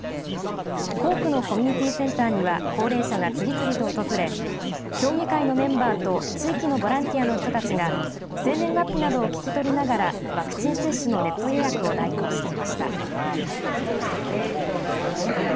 校区のコミュニティーセンターには高齢者が次々と訪れ協議会のメンバーと地域のボランティアの人たちが生年月日などを聞き取りながらワクチン接種のネット予約を代行していました。